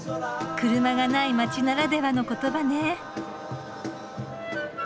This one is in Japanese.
車がない街ならではの言葉ね。